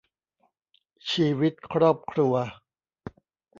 ชีวิตครอบครัว